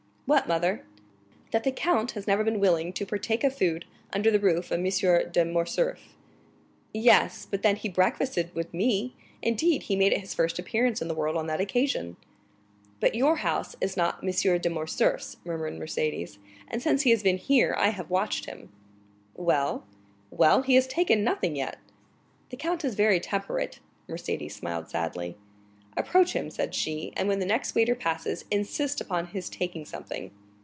"What, mother?" "That the count has never been willing to partake of food under the roof of M. de Morcerf." "Yes; but then he breakfasted with me—indeed, he made his first appearance in the world on that occasion." "But your house is not M. de Morcerf's," murmured Mercédès; "and since he has been here I have watched him." "Well?" "Well, he has taken nothing yet." "The count is very temperate." Mercédès smiled sadly. "Approach him," said she, "and when the next waiter passes, insist upon his taking something."